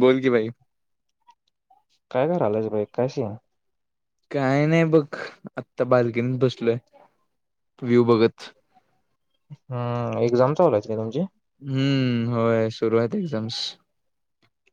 बोल की भाई. कसे. काय नाही बघ आत्ता बाल्कनित बसलोय. व्ह्यू बघत. हम्म एक्झाम चालू आहेत ना तुमची हम्म होय सुरुवात एक्झाम्स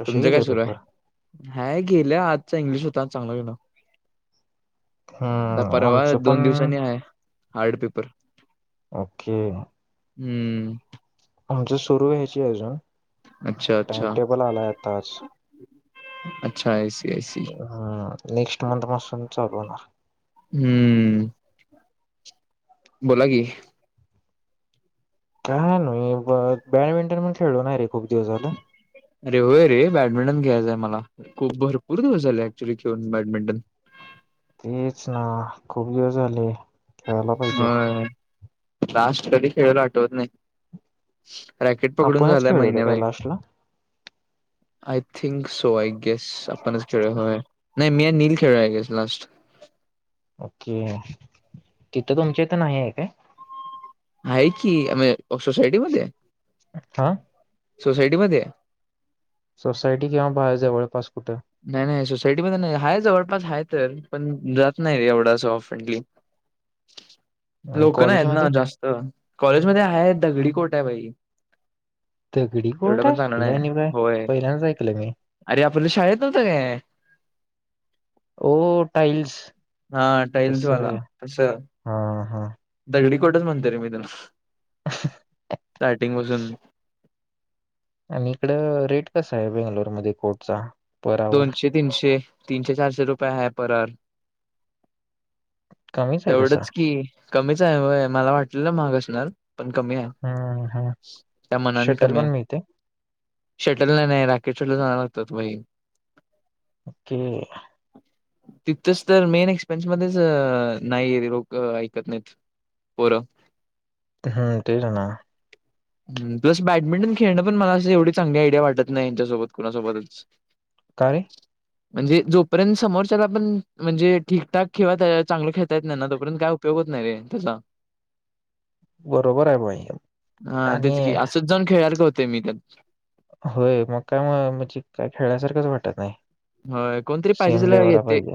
कसे तुमचं काय गेले सुरू पेपर आहे हाय गेल्या आजचा इंग्लिश होता. चांगला ना हम्म परवा आमचं पण दोन दिवसांनी आहे. Hard paper. ओके. हम्म. आणजे सुरू व्यायची अजून अच्छा टाइम अच्छा टेबल आला आता आज अच्छा ऐसी ऐसी. हम्म नेक्स्ट मंथ पासून चालू होणार. हम्म बोला की, काय ना बॅडमिंटन पण खेळलो नाही रे खूप दिवस झाल. अरे होय रे, बॅडमिंटन खेळाचंय मला खूप भरपूर दिवस झाले ऍक्च्युली खेऊन बॅडमिंटन. तेच ना, खूप वेळ झाले खेळायला पाहिजे. होय लास्ट कधी खेळेलो आठवत नाही. रॅकेट पकडून आपणच झालाय, खेळवलं महिना काय भाई. लास्टला थिंक सो आय गेस आपणच खेळलो होय. नाही मी आणि नील खेळलाय गेस लास्ट, ओके तिथं तुमच्या इथ नाही आहे काय? आहे की आम्ही सोसायटी मध्ये, हा सोसायटीमध्ये. सोसायटी किंवा बाहेर जवळपास. कुठं नाही, नाही सोसायटी मध्ये नाही आहेतं जवळपास आहेत. तर पण, जात नाही रे एवढा सफेंडली. आणि लोक नाही आहेत कॉलेजमध्ये ना जास्त कॉलेजमध्ये आहेतं दगडी कोट आहे भाई. दगडी एवढं कोर्ट आहे पण चांगलं हे नाही. आणि काय होय पहिल्यांदाच ऐकलं मी अरे आपल्या शाळेत नाहीतर काय. ओ टाईल्स हा टाईल्स तसं वाला आहे तस, हा हा दगडी कोठच म्हणते रे मी त्याला, स्टार्टिंग पासून, आणि इकड रेट कस आहे बेंगलोरमध्ये कोटचा. दोनशे, तीनशे, तीनशे-चारशे रुपये आहे. Per hour. कमीच आहे तसा तेवढंच की, कमीच आहे. मला वाटलेलं महाग- असणार. पण कमी आहे, हम्म हम्म त्या मानाने शटल कमी पण आहे. मिळते [unintelligible] ते, तिथच तर मेन एक्सपेन्स मध्येच अ नाही लोक ऐकत नाहीत. पोरं, ह्म्म, तेचं ना. हम, प्लस बॅडमिंटन खेळणं पण मला अस एवढी चांगली आयडिया वाटत नाही, यांच्यासोबत कुणासोबतच. का रे म्हणजे जोपर्य समोरच्याला आपण म्हणजे, ठीकठाक चांगलं खेळता येत नाही ना तोपर्यतं काय उपयोग होत. नाही रे, तसा. बरोबर आहे. भाई, हा तेच की, असंच जाऊन खेळ्यासारख होतो की, मी पण. होय, मग काय म म्हणजे काय खेळल्यासारखंच वाटत नाही. होयं कोणतरी पाहिजे सेम असल्यावर लेवलला येतंय. पाहिजे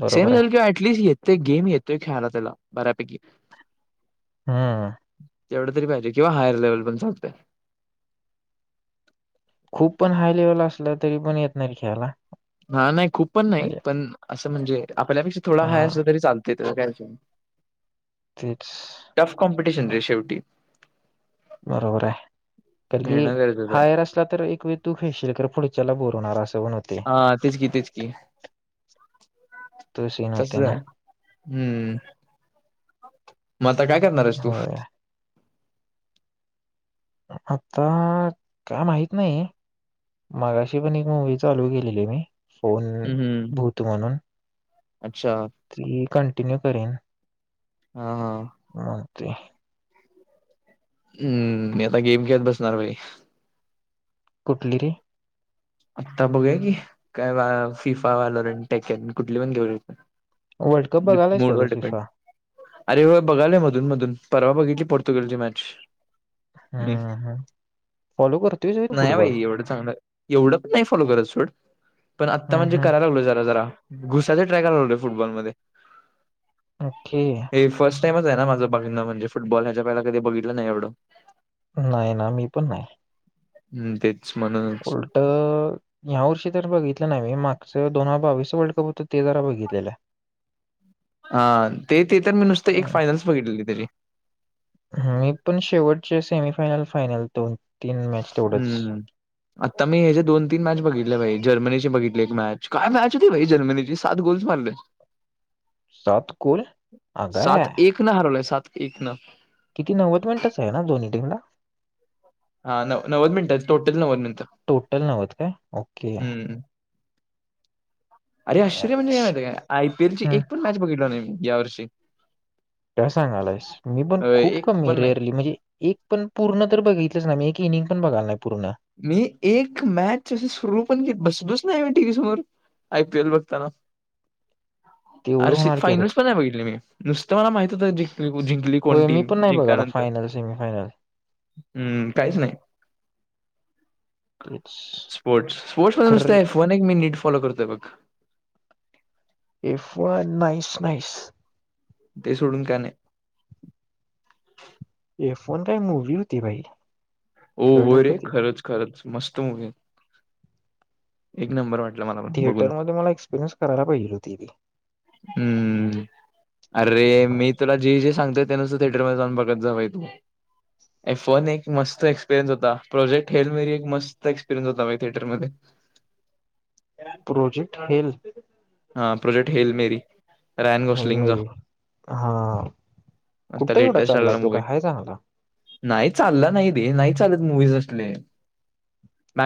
बरोबर सेम झाल आहे किंवा अऍटलिस्ट येतय गेम येतोय. खेळायला, त्याला बऱ्यापैकी. हम्म तेवढं तरी पाहिजे किंवा हायर लेवल पण चालतय. खूप पण हाय लेवल असलं तरी पण येत नाही रे खेळायला. हा नाही खूप पण नाही म्हणजे पण असं म्हणजे आपल्यापेक्षा थोडा हायं हा असलं तरी चालतयं. त्याचा काय विषय नाय. तेच. कॉम्पिटेशन रे शेवटी. बरोबर आहे तर की, मिळणं गरजेचं आहे. हायर असला तर एक वेळ तू खेळशील तर पुढच्याला बो हा तेच कि तेच कि, तो सीन तस होते ना आहे. हम्म मग आता काय करणारस तू? होय आता काय माहित नाही. मागाशी पण एक मूवी चालू केलेली मी फोन हम्म हम्म भूत म्हणून, अच्छा ती कंटिन्यू करेन. हा हा ते हम्म म आता गेम खेळत बसणार भाई. कुठलीरी आता बघूया की काय वा फिफा वालोर आणि टेकन कुठली पण घेऊया. वर्ल्ड कप बघायलायस का मोड व तू डिपेंड फिफा? अरे हो बघालय मधून मधून परवा बघितली पोर्तुगलची मॅच ह हम्म हम्म फॉलो करतोयस व्हय तू नाही फुटबॉल? वैरी एवढ चांलं एवढं पण नाही फॉलो करत सोड पण आत्ता हम्म म्हणजे हम्म करायला लागलो जरा जरा घुसाचे ट्रॅकला होते फुटबॉलमध्येध्ये ओके कायमच आहे ना माझं बघण म्हणजे फुटबॉल ह्याच्या पहिला कधी बघितलं नाही एवढं नाही ना मी पण नाही हम्म तेच म्हणूनच उलट ह्या वर्षी तर बघितलं नाही मी मागच दोन बावीस वर्ल्ड कप हो तेजरा बघितलेल्या हा ते ते तर मी नुसत एक फायनस बघितलेली त्याची मी पण शेवटचे सेमीफायनल फायनलतून हम्म आता मी हचे दोन तीन मॅच बघितले पाहिज जर्मनीची बघितली एक मॅच काय मॅच होती भाई जर्मनीची सात गोल्स मारले सात गोल अगाय सात एक न हरवलंय सात एक न किती नव्वद मिनिटच आहे ना दोन्ही टीमला हा नव्वद मिनटात टोटल नव्वद मिनट टोटल नवद का ओके हम्म अरे आश्चर्य म्हणजे का माहत का आयपीएल ची एक पण मॅच बघितल ना या वर्षी का सांगालायस मी पण खूप कमी पण नाही. रेअरली म्हणजे एक पण पूर्ण तर बघितलंच ना मी किनंगण बघाला मी एक मॅच सुरू पण घी बसबुस नाही मी टीवी समोर आयपीएल बघताना [unintelligible] आरसी की आता फायनल्स पण नाही बघितली मी नुसतं मला माहित होत जिंकली जिंकली कोण टीम जिंकल्यानंतर सेमीफानल हम्म काहीच नाही तेच स्पोर्टस स्पोर्ट्स मध्ये खर नुसत फोन एक मीन नीट फॉलो करतोय बघ एफर नाहीस नाही नाहीस ते सोडून का नाही ते फोन काय मूवी होती बाई हो हो रे खरंच खरंच मस्त मूवी आहे एक नंबर वाट थिएटरमध्येध्ये मला एक्सपिरियन्स करायला पाहिजे होती हम्म अरे ती मी तुला जे जे सांगत त्या नुसर थिएटर मध्ये जाऊन बघत जावय तो फोन एक मस्त एक्सपिरियन्स होता प्रोजेक्ट हेल म एक मस्त एक्सपिरियन्स होता थिएटर मध्ये प्रोजेक्ट हेल हा प्रोजेक्ट हेल मेरी रायन गॉसलिंगचा हेल्मेरी हा आता कुठं एवढा लेटेस्ट चालला आलेला तो मूवी काय हय च मला नाही चालला नाही दे नाही चालत मूवीज असले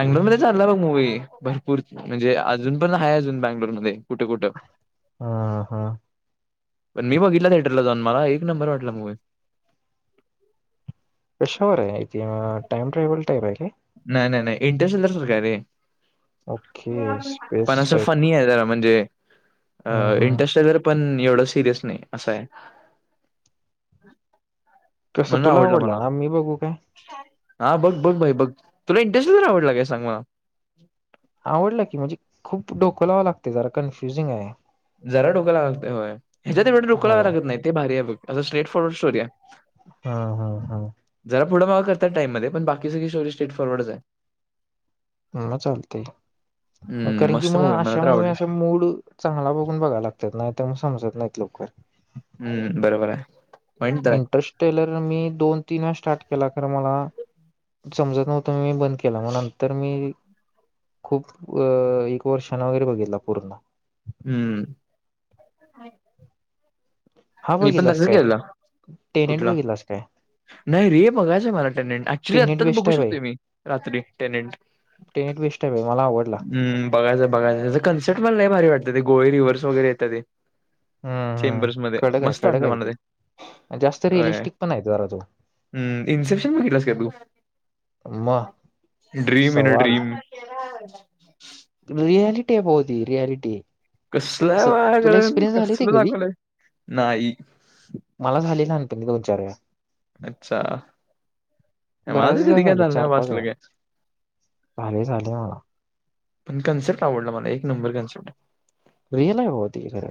ते मध्ये चालला बघ मूवी भरपूर म्हणजे अजून पण आहेा अजून बँंगलोरमध्ये हा हा पण मी बघितला थिएटरला जाऊन मला एक नंबर वाटला मूवी कशावर आहे टाइम टेबल टाईप आहे काय नाही नाही नाही इंटरश तरर सरकार आहे ओके पण स्पेस असं टाईप फनी आहे जरा म्हणजे अ हा हा इंटरेस्ट पण एवढ सिरियस नाही असं आहे कसं म्हण तुला आवडलं आवडला मला ना मी बघू काय हा बघ बघ भाई बघ तुला इंटरेस्ट आवड लाग सांग मला आवडलं की म्हणजे खूप डोकलावं लागते जरा कन्फ्युजिंग आहे जरा डोकायला लागतय ह्याच्या तेवढ ोकावावं हो लागत नाही ते भारी आहे अस स्टेट फॉरवर्ड स्टोरी आहे हा हा हा जरा पुढं माग करतात टाइम मध्ये पण बाकी सगळी स्टोरी स्ट्रेट फॉरवर्ड आहे ह चालते हम्म, कारण की मस्त मग मूवी मला तर अशामुळे आवडली. असा मूड चांगला बघून बघायला लागतात नाही मग समजत नाहीत लोककर हम्म बरोबर आहे पॉईंट तर आहे. इंटरेस्ट टेलर मी दोन तीन स्टार्ट केला ख मला समजत नव्हत मी मी बंद केला मग नंतर मी खूप एक वर्षानि वगैरे बघितला पूर्ण हम्म हा मी पण बघितलास तसंच काय केलेलं. टेनेंट कुठला? बघितलास काय नाही रे बघायचंय मला टेनेंट ऍक्च्युली टेनेट आत्ताच बेस्ट बघू आहे बाई शकतोय मी रात्री टेनेंट टेनेट बेस्ट आहे बाई मला आवडला हम्म बघायचं बघायचं कन्सर्ट मला नाही भारी वाटत ते गोहे रिव्हर्स वगैरे येतात ते चेंबर्स मध्ये कळ काय कड काये जास्त होय. रिअलिस्टिक पण आहे जरा तो हम्म, इन्सेप्शन बघितलास का तू? म ड्रीम इन अ सवाल ड्रीम. रियलिटी बहती रियलिटी कसलं बाक ते कसल कधी दाखवलंय नाही एकदा विचारूया अच्छा मला बऱ्याच तर वेळा कधी काय झाले झालं नाही चार बाबा पाच असलं वेळा काय. चाले झाले मला पण कन्सेप्ट आवडला मला एक नंबर कन्सेप्ट आहे रियल आहेफ होती ख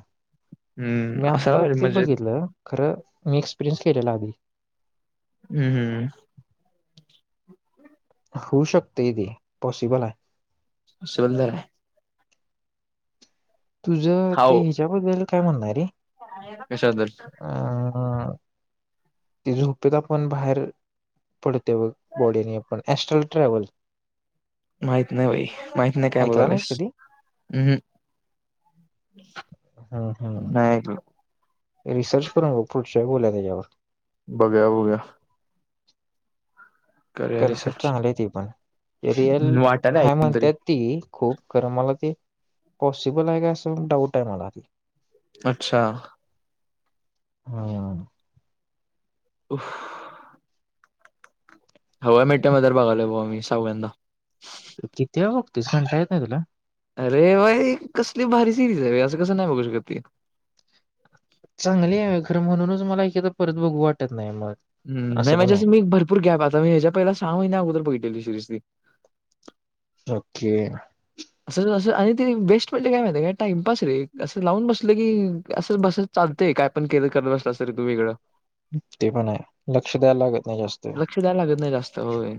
मी हम्म असायला आता पाहिजे ते म्हणजे बघितलं खरं मी एक्सपिरियन्स केलेला आधी हम्म हम् होऊ शकते दे पॉसिबल आहे सुंदर आहे तुझं ते हाव ह्याच्याबद्दल काय म्हणणारे कशाबद्दल अं ते झोपेत आपण बाहेर पडते बॉडी नाही पण एस्ट्रल ट्रॅव्हल माहित नाही भाई माहित नाही काय ऐकला नाहीस बोलालस हम् हा हा नाही ऐकलं रिसर्च करून बघ फूटच्यााहीब बोला त्याच्यावर बघूया बघूया करूया कन्सेप्ट रिसर्च चांगले आहे ते पण रियल वाटायला हाय ऐकून म्हणत तरी ती खूप खरं मला ती पॉसिबल आहे काय असं पण डाऊट आहे मला आधी अच्छा हा उफ ह मीठट्या मध्येर बघायला ब मी सावगंदा किती आहे बघतीस म्हणता येत नाही तुला अरे भाई कसली भारी सिरीजवे असं कसं नाही बघू शकत ती [inaudible] चांगली आहे खरं म्हणूनच मला एखाद परत बघू वाटत नाही मग [inaudible] हम नाही म्हणजे पण आहे. असं मी भरपूर गॅप आता मी ह्याच्या पहिला सहा महिन्या अगोदर बघितेली शिरीजली [inaudible] ओके [inaudible] अस अस आणि तेी बेस्ट म्हणजे काय माहिती का टाइमपरी असं लावून बसत की अस बस चालतेय काय पण केलं करत बसला असर तुगळं [inaudible] ते पण आहे लक्ष द्यायला लागत नाही जास्त. लक्ष द्याय लागत नाही जास्त होय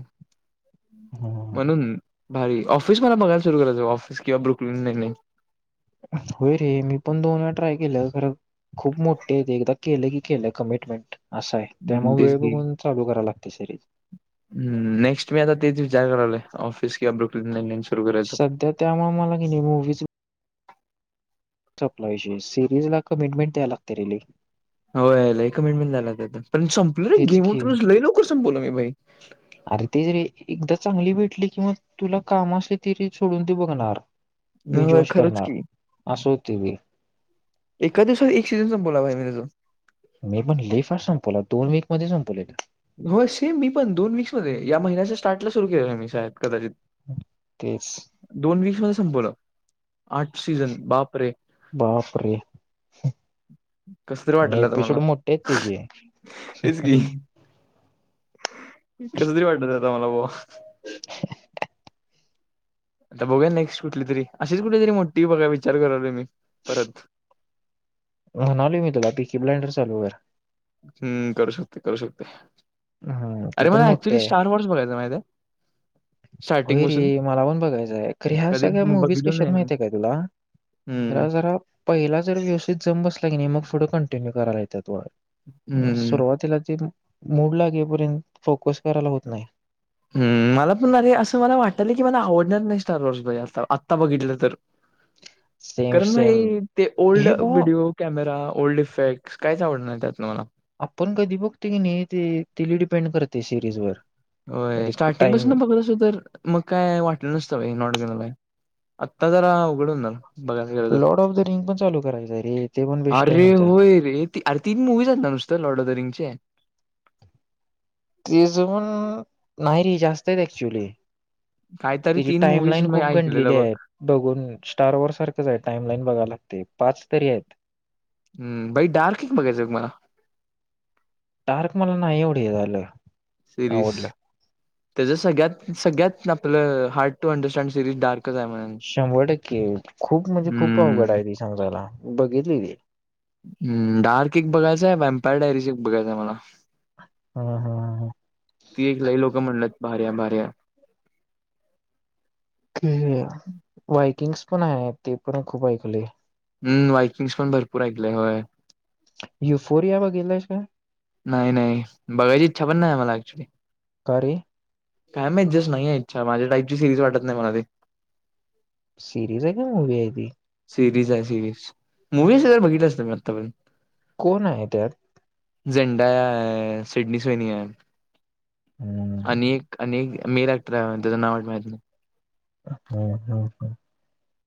हं, म्हणून [inaudible] भारी ऑफिस मला बघाय सुरू कराचं ऑिस [inaudible] होय रे मी पण दोन वेळा ट्राय केलं खर खूप मोठ ते देखता खेले की खेले कमिटमेट [inaudible] [inaudible] असा आहे हं, त्यामु वेळ बघून चालू कराव लागते सिरीज [inaudible] हम्म नेक्स्ट मी आता ते जारगवले ऑफिस कि [inaudible] सध्या त्यामुळे मला की नाही मूवीज [inaudible] सपला विषय सिरीज ला कमिटमेंट द्या लागते रिली [inaudible] हो याला एक मिनट मिट झा त्या पण संपल र तेच की गेमतून लई लवकर संपवो मीई [inaudible] अरे ते जे एकदा चांगली भेटली कि मग तुला काम असे तरी सोडून ते बघणार [inaudible] मी होय, जॉच खरंच करणार की. असो ते व [inaudible] एका दिवसात एक सीजनचा बोला मी तजून [inaudible] मी म्हण ल फार संपवला दोन मक मध्ये संपवलेलं [inaudible] हो सेम मी पण दोन वी्स मध्ये या महिन्याच्या स्टार्टला सुरू केलं आहे मी साब कदाचित तेच [inaudible] दोन वीस म संपवलं आठ सीझन बापरे [inaudible] बापर [inaudible] कसं तरी आणि वाटायला आता मला एपिसोड मोठेच तजे कस तरी वाटत आता मला ब [inaudible] आता बघया नेक्स्ट कुठली तरी अशीच कुठली तरी मोठी बघा विचार कराल मी परत [inaudible] ह नाल मी तुला पी की ब्लांडर चालूर [inaudible] हम्म करू शकते करू शकते हं, ती अरे पण मला मोठी ऍक्च्युली आहे. स्टार वॉर्स बघायचं माहिित आहे [inaudible] स्टार्टिंग होय रे पासून मला पण बघायचंय खर ह्या कधी सगळ्या मुूवीज बघितलं कशात नाही माहित मी. आहे काय तुला [inaudible] हम्म तला जरा पहिला जर व्यवस्थित जम बसला की नाही मग पुुढं कण [inaudible] हम्म केतवातला [inaudible] मूड ला गेपर्यंत फोकस करायला होत नाही [inaudible] हम् मला पण अरे असं मला वाटलं की मला आवडणार नाही स्टार वर्षज आता आत्ता बघितलं तर [inaudible] सेम कारण सेम. नाही ते ओल्ड हे बुवा व्हिडिओ कॅमेरा ओल्ड इफेक्् कायच आवडणार नाही त्यातन मला [inaudible] [inaudible] आपण कधी बघते की नाही ते तिली डिपेंड करते सिरीज वर [inaudible] होय स्टार्टिंग पासून तर बघत अस तर मग काय वाटलं नसतं नॉट गे [inaudible] आत्ता जरा उघडून ना बघ गेलं तर लॉर्ड ऑफ द रिंग पण चालू करायचं आहे रे, ते पण [inaudible] बेस्ट आहे अरे म्हणतात. होय रे अरे तीन मुूवीज आहेत ना नुसतं लॉडोदरिंगचे [inaudible] त ज पण नाही र जास्त आहेत ऍक्च्युली [inaudible] काय [inaudible] तिची टाइम लाईन खूप गडलेली आहे बघून स्टार वॉर सारखंच आहे टाइमलाईन बघायला [inaudible] ते पाच तरी आहेत [inaudible] हम् बाई डार्क एक बघायचं मला [inaudible] टार्क मला नाही एवढे झालं. [inaudible] सिरीस आवडलं [inaudible] त्याच सगळ्यात सगळ्यात आपलं hard to understand series dark. [inaudible] शंभर टक्के खूप म्हणजे खूप अवघड आहे त समजायला बघितली र. [inaudible] म डार्क एक बघायचंय वम पडरी बघायच आहे मला हा हा हा ती एक ल लो [inaudible] भारी भारी. कि वायकिंग्स पण आहे ते पण खूप ऐकले. हम्म वाईकिंग्स पण भरपूर ऐकले होय. युफोरिया व गेलास. नाही नाही बघायची इचछा पण नाही मला ऍक्च्युली. का रे? काय म डजस्ट नाही इच्छा माझ्या टाईपची सिरीज वाटत नाही मला ते सिरीज आहे काय मूवी आहे ती सिरीज आहे सिरीज मूवी सगर बघितलंसत मी आता पण कोण आहे त्यात झेंडा सिडनी सनी आहे हम्म अनेक अनेक मीरक्ट्र नाव मा हम्म हम् हम्.